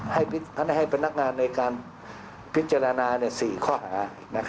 ให้พนักงานในการพิจารณา๔ข้อหา